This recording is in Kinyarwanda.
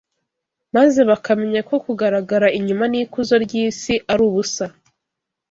maze bakamenya ko kugaragara inyuma n’ikuzo ry’isi ari ubusa.